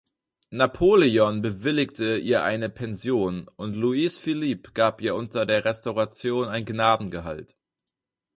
Napoleon bewilligte ihr eine Pension, und Louis-Philippe gab ihr unter der Restauration ein Gnadengehalt.